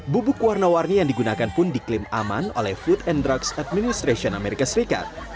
bubuk warna warni yang digunakan pun diklaim aman oleh food and drugs administration amerika serikat